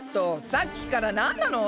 さっきからなんなの？